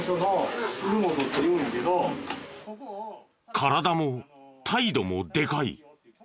体も態度もでかい巨漢。